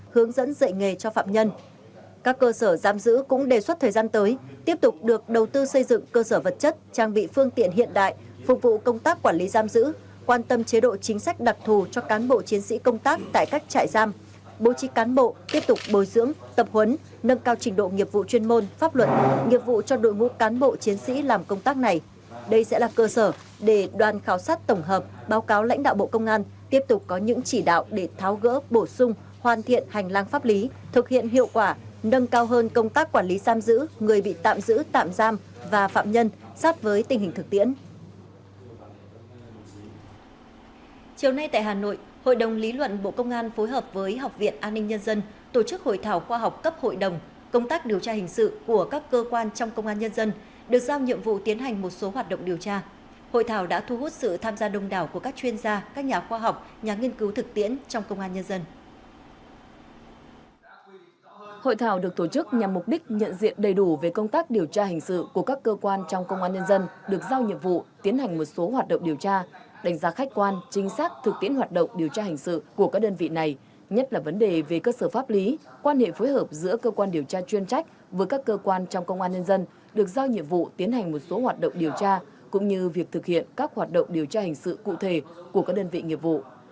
hội thảo được tổ chức nhằm mục đích nhận diện đầy đủ về công tác điều tra hành sự của các cơ quan trong công an nhân dân được giao nhiệm vụ tiến hành một số hoạt động điều tra đánh giá khách quan chính xác thực tiễn hoạt động điều tra hành sự của các đơn vị này nhất là vấn đề về cơ sở pháp lý quan hệ phối hợp giữa cơ quan điều tra chuyên trách với các cơ quan trong công an nhân dân được giao nhiệm vụ tiến hành một số hoạt động điều tra cũng như việc thực hiện các hoạt động điều tra hành sự cụ thể của các đơn vị nghiệp vụ